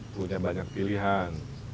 punya banyak pilihan